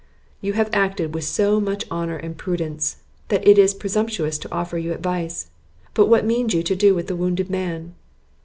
"You have acted with so much honour and prudence, that it is presumptuous to offer you advice; but what mean you to do with the wounded man?"